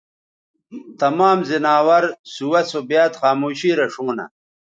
تمام زناور سُوہ سو بیاد خاموشی رے ݜؤں نہ